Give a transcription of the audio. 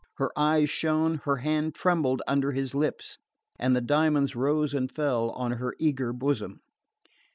Her eyes shone, her hand trembled under his lips, and the diamonds rose and fell on her eager bosom.